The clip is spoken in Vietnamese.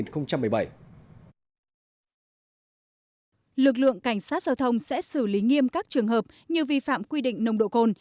cục cảnh sát giao thông sẽ mở đợt cao điểm xử lý nghiêm các trường hợp như vi phạm quy định nồng độ cồn